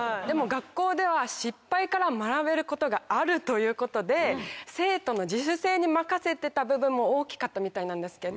学校では失敗から学べることがあるということで生徒の自主性に任せてた部分も大きかったみたいなんですけど。